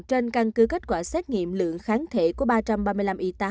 trên căn cứ kết quả xét nghiệm lượng kháng thể của ba trăm ba mươi năm yên